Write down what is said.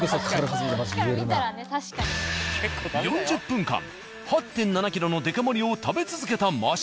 ４０分間８．７ｋｇのデカ盛りを食べ続けた益子。